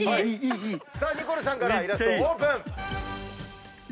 ニコルさんからイラストオープン！